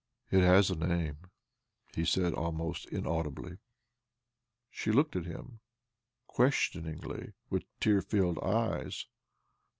;" It has a name," he said almost inaudibly. She looked at him questioningly with tear filled eyes.